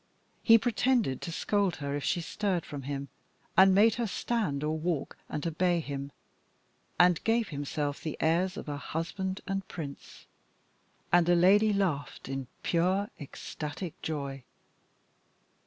He pretended to scold her if she stirred from him, and made her stand or walk and obey him, and gave himself the airs of a husband and prince. And the lady laughed in pure ecstatic joy.